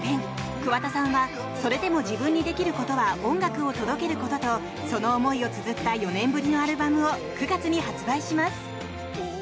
桑田さんはそれでも、自分にできることは音楽を届けることとその思いをつづった４年ぶりのアルバムを９月に発売します。